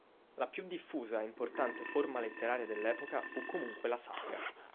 La più diffusa e importante forma letteraria dell'epoca fu comunque la satira.